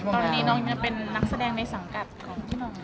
ตอนนี้น้องยังเป็นนักแสดงในสังกัดของพี่หน่อง